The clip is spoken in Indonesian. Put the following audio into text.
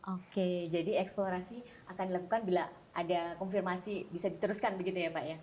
oke jadi eksplorasi akan dilakukan bila ada konfirmasi bisa diteruskan begitu ya pak ya